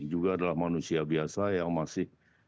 juga adalah manusia biasa yang masih